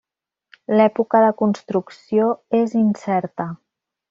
L'època de construcció és incerta.